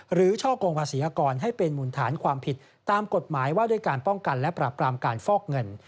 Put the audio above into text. ช่อกงภาษีอากรให้เป็นหมุนฐานความผิดตามกฎหมายว่าด้วยการป้องกันและปราบปรามการฟอกเงิน